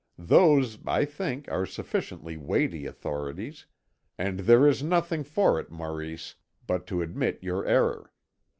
Those, I think, are sufficiently weighty authorities, and there is nothing for it, Maurice, but to admit your error.